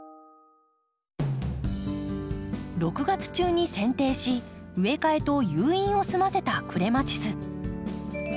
６月中にせん定し植え替えと誘引を済ませたクレマチス。